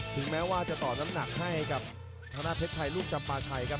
ถึงแม้ว่าจะต่อน้ำหนักให้กับทางด้านเพชรชัยลูกจำปาชัยครับ